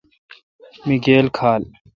می گیل کھال۔